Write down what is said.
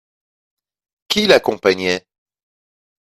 Qui l’accompagnait ?